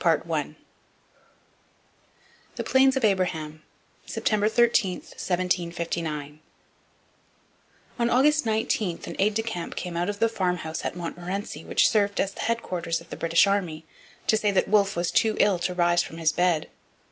CHAPTER VII THE PLAINS OF ABRAHAM, September 13, 1759 On August 19 an aide de camp came out of the farmhouse at Montmorency which served as the headquarters of the British army to say that Wolfe was too ill to rise from his bed.